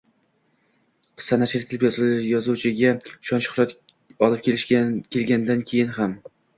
Qissa nashr etilib, yozuvchiga shon-shuhrat olib kelgandan keyin ham